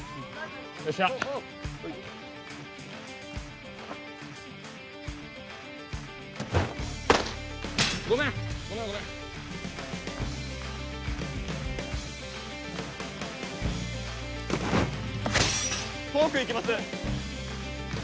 よっしゃほいごめんごめんごめんフォークいきます